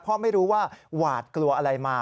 เพราะไม่รู้ว่าหวาดกลัวอะไรมา